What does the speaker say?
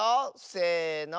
せの。